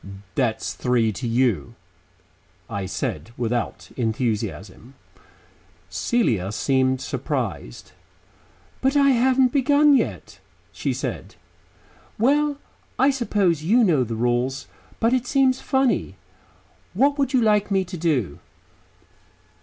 "That's three to you," I said without enthusiasm. Celia seemed surprised. "But I haven't begun yet," she said. "Well, I suppose you know the rules, but it seems funny. What would you like me to do?"